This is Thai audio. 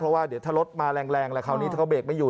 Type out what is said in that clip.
เพราะว่าเดี๋ยวถ้ารถมาแรงแล้วคราวนี้ถ้าเขาเบรกไม่อยู่